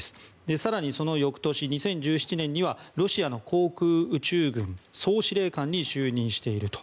更に翌年の２０１７年にはロシアの航空宇宙軍総司令官に就任していると。